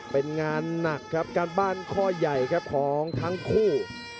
เป็นงานหนักครับการบ้านข้อใหญ่ครับของทั้งคู่